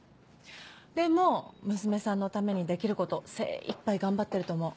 でも娘さんのためにできること精いっぱい頑張ってると思う。